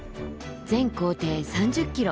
全行程３０ｋｍ。